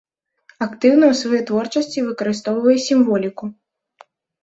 Актыўна ў сваёй творчасці выкарыстоўвае сімволіку.